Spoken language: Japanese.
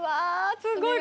すごい！